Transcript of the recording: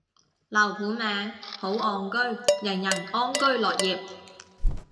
樓盤名，好岸居，人人安居樂業